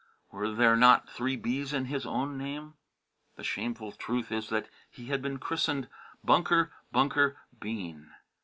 Were there not three B's in his own name? The shameful truth is that he had been christened "Bunker Bunker Bean."